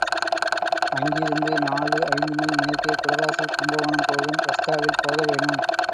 அங்கிருந்து நாலு, ஐந்து மைல் மேற்கே குடவாசல் கும்பகோணம் போகும் ரஸ்தாவில் போக வேணும்.